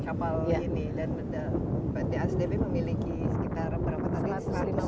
kapal ini dan dsdb memiliki sekitar berapa tadi